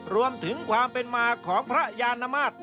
รวมถึงความเป็นมาของพระยานมาตร